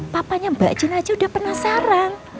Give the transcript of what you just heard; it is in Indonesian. papanya mbak jen aja udah penasaran